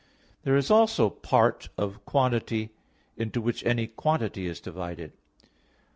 There is also part of quantity into which any quantity is divided.